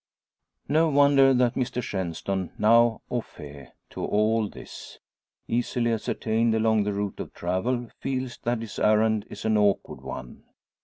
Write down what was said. No wonder that Mr Shenstone, now au fait to all this easily ascertained along the route of travel feels that his errand is an awkward one.